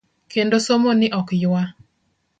Kendo somo ni ok ywa .